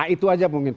itu aja mungkin